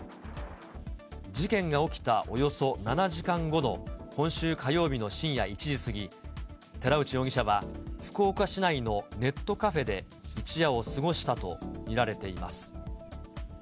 事件が起きたおよそ７時間後の今週火曜日の深夜１時過ぎ、寺内容疑者は福岡市内のネットカフェで一夜を過ごしたと見られています。